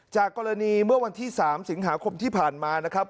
จากกรณีเมื่อวันที่๓สิงหาคมที่ผ่านมานะครับ